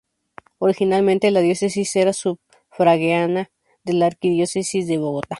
Originalmente, la diócesis era sufragánea de la Arquidiócesis de Bogotá.